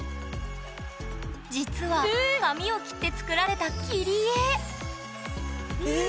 実は紙を切って作られたええ！